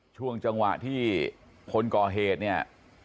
ช่วงจังหวะที่คนก่อเหตุเนี่ย